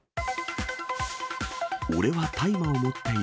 俺は大麻を持っている。